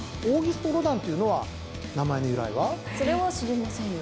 それは知りませんよ。